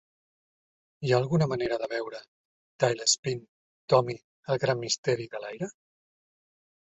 Hi ha alguna manera de veure "Tailspin Tommy al gran misteri de l'aire"?